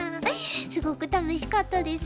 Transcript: すごく楽しかったです。